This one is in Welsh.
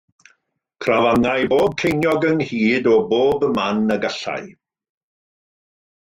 Crafangai bob ceiniog ynghyd o bob man y gallai.